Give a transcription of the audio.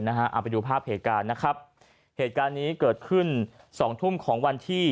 เอาไปดูภาพเหตุการณ์นะครับเหตุการณ์นี้เกิดขึ้นสองทุ่มของวันที่